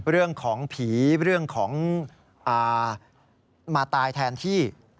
เรื่องของผีเรื่องของมาตายแทนที่